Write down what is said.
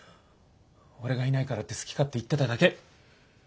俺がいないからって好き勝手言ってただけ。